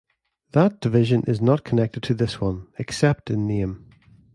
That Division is not connected to this one, except in name.